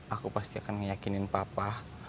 aku pasti akan meyakinin papa